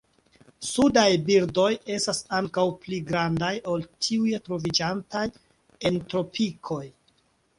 Sudaj birdoj estas ankaŭ pli grandaj ol tiuj troviĝantaj en tropikoj.